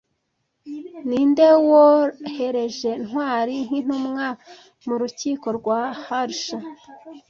Ninde wohereje Ntwari nk'intumwa mu rukiko rwa Harsha